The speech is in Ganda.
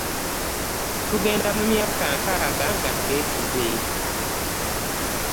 Tugenda mu myaka nkaaga nga twefuze.